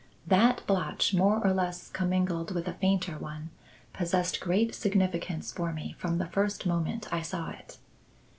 That blotch, more or less commingled with a fainter one, possessed great significance for me from the first moment I saw it.